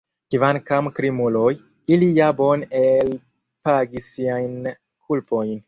Kvankam krimuloj, ili ja bone elpagis siajn kulpojn!